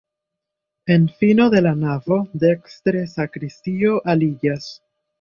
En fino de la navo dekstre sakristio aliĝas.